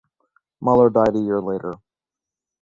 Mueller died a year later.